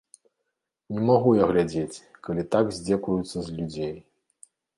Не магу я глядзець, калі так здзекуюцца з людзей.